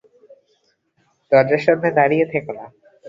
দরজার সামনে দাঁড়িয়ে থেকো না।